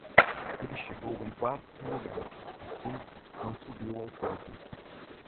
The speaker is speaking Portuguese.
Ele chegou em quarto lugar, assim, não subiu ao pódio.